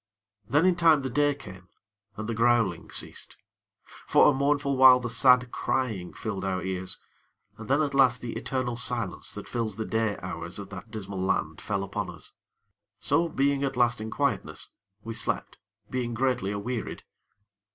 Then in time the day came, and the growling ceased. For a mournful while the sad crying filled our ears, and then at last the eternal silence that fills the day hours of that dismal land fell upon us. So, being at last in quietness, we slept, being greatly awearied.